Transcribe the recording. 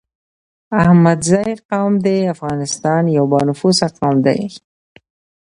احمدزی قوم دي افغانستان يو با نفوسه قوم دی